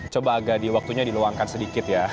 coba agak di waktunya diluangkan sedikit ya